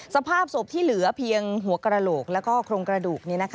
สภาพศพที่เหลือเพียงหัวกระโหลกและโครงกระดูก